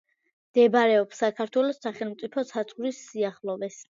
მდებარეობს საქართველოს სახელმწიფო საზღვრის სიახლოვეს.